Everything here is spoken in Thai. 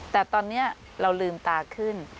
แต่ตอนนี้เราลืมตาขึ้น